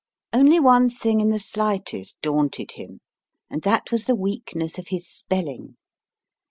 Only one thing in the slightest daunted him, and that was the weakness of his spelling.